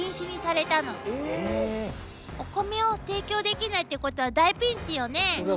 お米を提供できないっていうことは大ピンチよね。